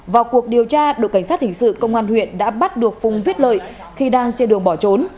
vào cuộc điều tra đội cảnh sát hình sự công an huyện đã bắt được phùng viết lợi khi đang trên đường bỏ trốn